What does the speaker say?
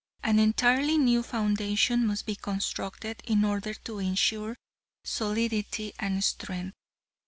An entirely new foundation must be constructed in order to insure solidity and strength.